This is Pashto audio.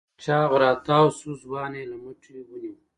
چاغ راتاوشو ځوان يې له مټې ونيو.